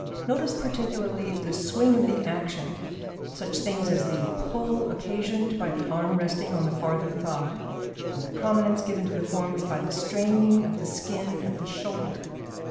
Notice particularly the swing of the action, such things as the pull occasioned by the arm resting on the farther thigh, and the prominence given to the forms by the straining of the skin at the shoulder.